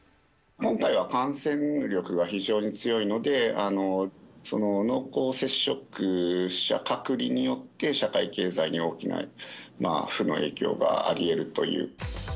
今回は感染力が非常に強いので、濃厚接触者隔離によって、社会経済に大きな負の影響がありえるという。